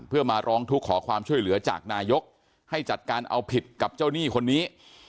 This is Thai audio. เพื่อมาร้องทุกข์ขอความช่วยเหลือจากนายกให้จัดการเอาผิดกับเจ้าหนี้คนนี้